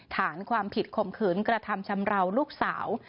ฐานความผิดข่มขืนกระทำชำราวลูกสาว